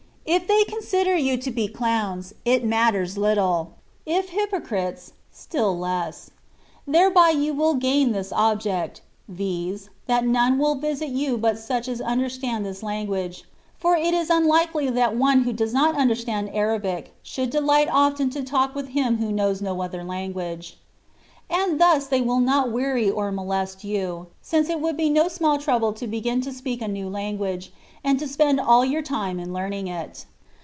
If they consider you to be cloumSy it matters little ; if hypocrites, still less. Thereby you will gain this object, — ^viz. that none will visit you but such as understand this lan guage ; for it is unhkely that one who does not understand Arabic,^ should delight often to talk with him who knows no other language. And thus they will not weary or molest you, ifeince it would be no small trouble to begin to speak a new language, and to spend all your time in learning it.